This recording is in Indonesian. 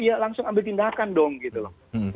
iya langsung ambil tindakan dong gitu loh